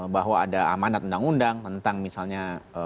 bahwa ada amanat undang undang tentang misalnya